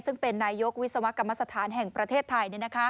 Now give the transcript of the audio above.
ซึ่งเป็นนายกวิศวกรรมสถานแห่งประเทศไทย